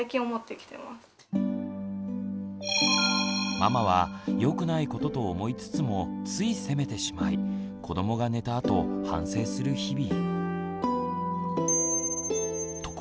ママはよくないことと思いつつもつい責めてしまい子どもが寝たあと反省する日々。